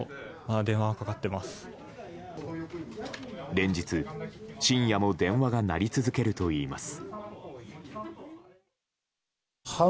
連日、深夜も電話が鳴り続けるといいます。